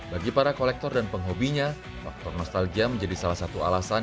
bagi para kolektor dan penghobinya faktor nostalgia menjadi salah satu alasan